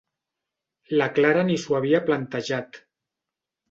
La Clara ni s'ho havia plantejat.